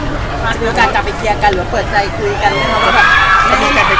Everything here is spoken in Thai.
จะมีโอกาสกลับไปเคลียร์กันหรือเปิดใจคุยกัน